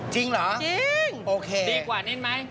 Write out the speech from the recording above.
จริงเหรอโอเคดีกว่านิดมั้ย